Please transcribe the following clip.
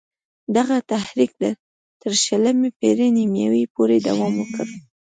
دغه تحریک تر شلمې پېړۍ نیمايی پوري دوام وکړ.